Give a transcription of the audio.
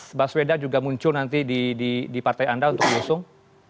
apakah nama anies baswedan juga muncul nanti di partai anda untuk nyusung